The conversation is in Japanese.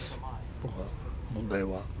僕は問題は。